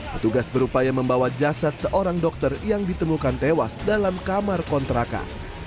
petugas berupaya membawa jasad seorang dokter yang ditemukan tewas dalam kamar kontrakan